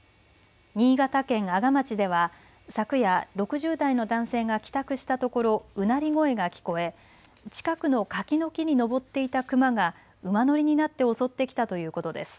新潟県阿賀町では昨夜６０代の男性が帰宅したところうなり声が聞こえ近くの柿の木に上っていた熊が馬乗りになって襲ってきたということです。